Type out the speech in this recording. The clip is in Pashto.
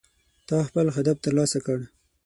تا خپل هدف ترلاسه کړ